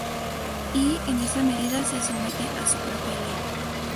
Y, en esa medida, se somete a su propia ley.